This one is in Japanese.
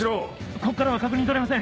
ここからは確認取れません！